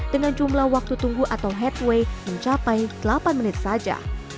dengan jumlah waktu tunggu atau headway mencapai delapan menit saja